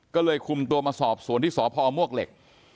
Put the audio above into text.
ก็เลยคุมตัวมาสอบสวนที่สพมวกเหล็ก